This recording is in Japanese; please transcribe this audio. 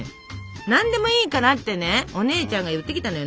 「何でもいいから」ってねお姉ちゃんが言ってきたのよ。